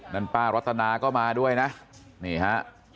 นั่นป้ารัตนาก็มาด้วยนะนี่ฮะ